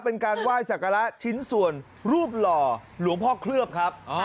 เป็นการไหว้สักการะชิ้นส่วนรูปหล่อหลวงพ่อเคลือบครับ